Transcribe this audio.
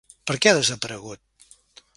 Per què ha desaparegut?